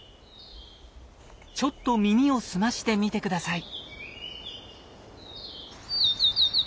ちょっと耳を澄ましてみて下さい。